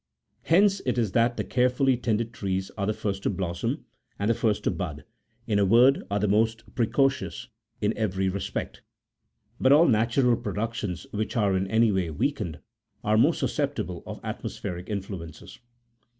Hence it is that the carefully tended trees are the first to blossom, and the first to bud ; in a word, are the most precocious in every respect : but all natural productions which are in any way weakened are more susceptible of atmospheric influences.